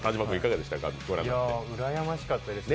うらやましかったです